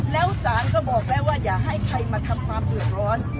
แล้วศาลก็บอกแล้วว่าอย่าให้ใครมาทำความเดือดร้อน